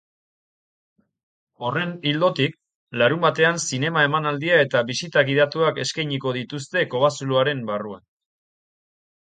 Horren ildotik, larunbatean zinema emanaldia eta bisita gidatuak eskainiko dituzte kobazuloaren barruan.